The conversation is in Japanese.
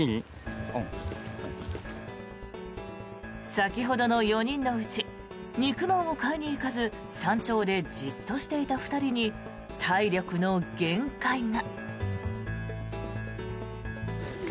先ほどの４人のうち肉まんを買いに行かず山頂でじっとしていた２人に体力の限界が。